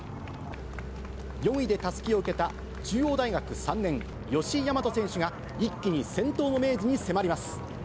４位でたすきを受けた中央大学３年、吉居大和選手が一気に先頭の明治に迫ります。